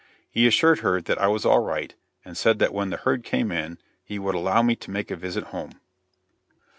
He assured her that I was all right, and said that when the herd came in he would allow me to make a visit home.